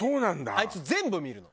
あいつ全部見るの。